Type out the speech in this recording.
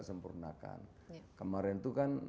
sempurnakan kemarin itu kan